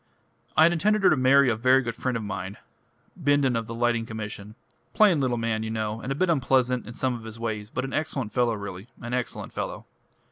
"I had intended her to marry a very good friend of mine Bindon of the Lighting Commission plain little man, you know, and a bit unpleasant in some of his ways, but an excellent fellow really an excellent fellow."